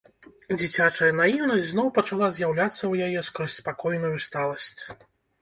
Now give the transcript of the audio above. Дзіцячая наіўнасць зноў пачала з'яўляцца ў яе скрозь спакойную сталасць.